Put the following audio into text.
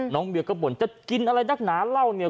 เมียก็บ่นจะกินอะไรนักหนาเหล้าเนี่ย